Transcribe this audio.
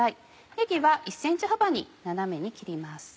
ねぎは１ｃｍ幅に斜めに切ります。